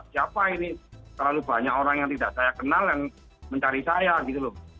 siapa ini terlalu banyak orang yang tidak saya kenal yang mencari saya gitu loh